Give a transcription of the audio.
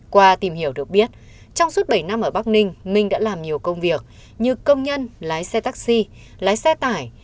qua tìm hiểu được biết trong suốt bảy năm ở bắc ninh minh đã làm nhiều công việc như công nhân lái xe taxi lái xe tải